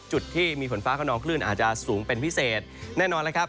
จุดที่มีฝนฟ้าขนองคลื่นอาจจะสูงเป็นพิเศษแน่นอนแล้วครับ